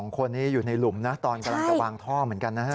๒คนนี้อยู่ในหลุมนะตอนกำลังจะวางท่อเหมือนกันนะฮะ